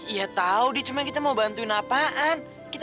iya tau dia cuma kita mau bantuin apaan